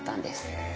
へえ。